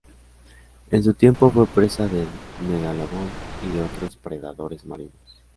En su tiempo fue presa del "Megalodon" y de otros predadores marinos.